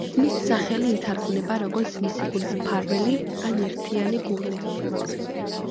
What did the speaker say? მისი სახელი ითარგმნება როგორც „მისი გულის მფარველი“ ან „ერთიანი გული“.